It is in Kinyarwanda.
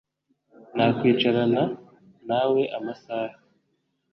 nakwicarana nawe amasaha